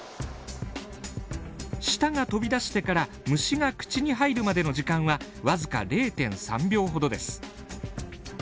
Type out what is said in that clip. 舌が飛び出してから虫が口に入るまでの時間はわずか０．３秒ほどです。